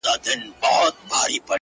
ما در کړي د اوربشو انعامونه!